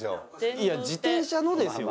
いや自転車のですよ